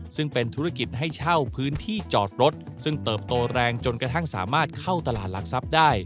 ซึ่งเป็นธุรกิจให้เช่าพื้นที่จอดรถซึ่งเติบโตแรงจนกระทั่งสามารถเข้าตลาดหลักทรัพย์ได้